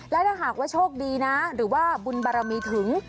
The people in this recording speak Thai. และถ้าหากว่าโชคดีนะหรือว่าบุญบารมีถึง